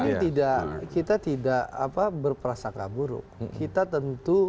ini tidak kita tidak berprasaka buruk kita tentu